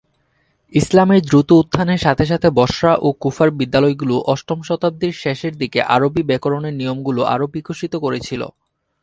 ইসলামের দ্রুত উত্থানের সাথে সাথে বসরা ও কুফার বিদ্যালয়গুলি অষ্টম শতাব্দীর শেষের দিকে আরবি ব্যাকরণের নিয়মগুলি আরও বিকশিত করেছিল।